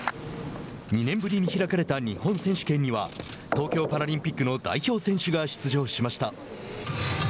２年ぶりに開かれた日本選手権には東京パラリンピックの代表選手が出場しました。